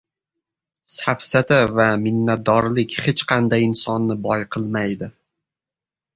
• Safsata va minnatdorlik hech qanday insonni boy qilmaydi.